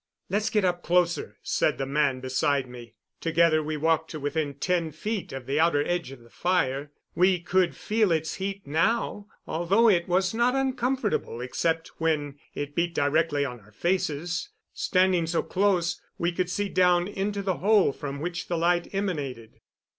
"Let's get up closer," said the man beside me. Together we walked to within ten feet of the outer edge of the fire. We could feel its heat now, although it was not uncomfortable except when it beat directly on our faces. Standing so close, we could see down into the hole from which the light emanated.